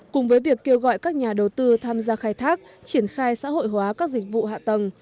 cùng với việc kêu gọi các nhà đầu tư tham gia khai thác triển khai xã hội hóa các dịch vụ hạ tầng